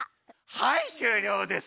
はいしゅうりょうです。